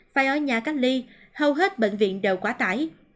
phải ở nhà cách ly hầu hết bệnh viện đều quá tải